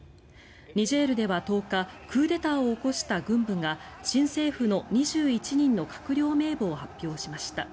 ニジェールでは１０日クーデターを起こした軍部が新政府の２１人の閣僚名簿を発表しました。